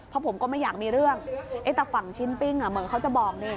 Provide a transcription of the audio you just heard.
เพราะผมก็ไม่อยากมีเรื่องแต่ฝั่งชิ้นปิ้งเหมือนเขาจะบอกนี่